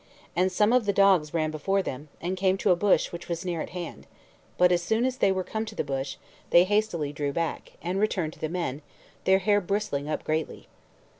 And some of the dogs ran before them, and came to a bush which was near at hand; but as soon as they were come to the bush, they hastily drew back, and returned to the men, their hair bristling up greatly.